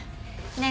ねえ？